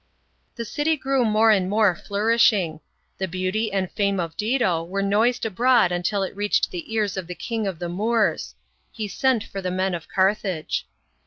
The city grew more and more flourishing. The beauty and fame of Dido were noised abroad until it reached the ears of the King of the Moors. He sent for the men of Carthage.